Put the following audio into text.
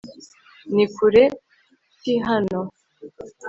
ni kure ki hano